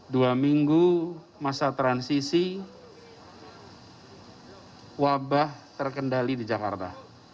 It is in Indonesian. dua minggu masa transisi wabah terkendali di jakarta